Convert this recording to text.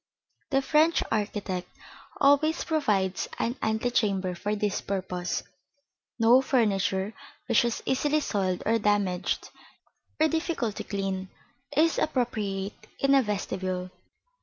The French architect always provides an antechamber for this purpose. No furniture which is easily soiled or damaged, or difficult to keep clean, is appropriate in a vestibule.